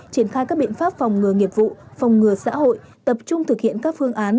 triển khai các biện pháp phòng ngừa nghiệp vụ phòng ngừa xã hội tập trung thực hiện các phương án